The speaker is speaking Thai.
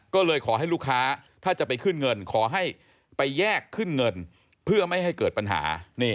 ก็เลยขอให้ลูกค้าถ้าจะไปขึ้นเงินขอให้ไปแยกขึ้นเงินเพื่อไม่ให้เกิดปัญหา